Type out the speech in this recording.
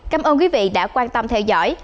cảm ơn quý vị đã quan tâm theo dõi